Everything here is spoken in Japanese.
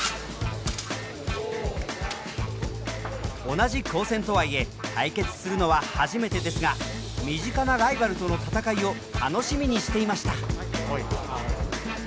同じ高専とはいえ対決するのは初めてですが身近なライバルとの戦いを楽しみにしていました。